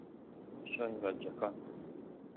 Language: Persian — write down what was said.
شاه غرجکان